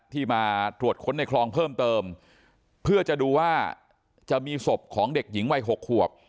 ที่มาตรวจค้นในคลองเพิ่มเติมเพื่อจะดูว่าจะมีศพของเด็กหญิงวัย๖ขวบ